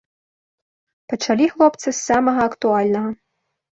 Пачалі хлопцы з самага актуальнага.